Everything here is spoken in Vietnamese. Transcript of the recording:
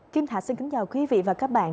kim thạch xin kính chào quý vị và các bạn